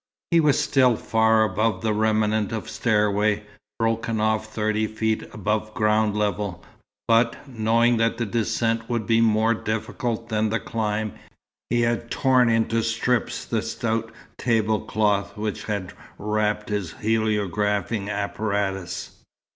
He was still far above the remnant of stairway, broken off thirty feet above ground level. But, knowing that the descent would be more difficult than the climb, he had torn into strips the stout tablecloth which had wrapped his heliographing apparatus.